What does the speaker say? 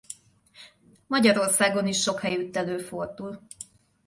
Magyarországon is sok helyütt előfordul.